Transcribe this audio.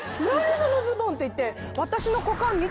そのズボン」って言って。